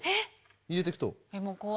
入れていくと。